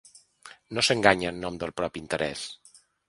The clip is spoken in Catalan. No s’enganya en nom del propi interès.